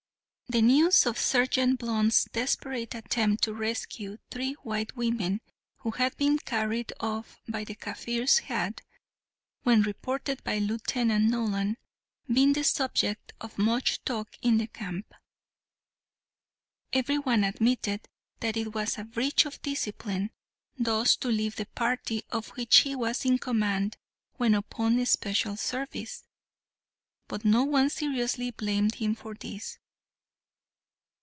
The news of Sergeant Blunt's desperate attempt to rescue three white women who had been carried off by the Kaffirs had, when reported by Lieutenant Nolan, been the subject of much talk in the camp. Every one admitted that it was a breach of discipline thus to leave the party of which he was in command when upon special service, but no one seriously blamed him for this.